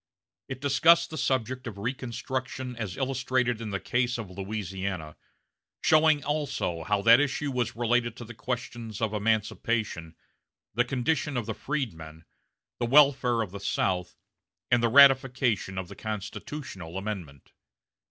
It discussed the subject of reconstruction as illustrated in the case of Louisiana, showing also how that issue was related to the questions of emancipation, the condition of the freedmen, the welfare of the South, and the ratification of the constitutional amendment.